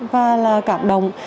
và là cảm động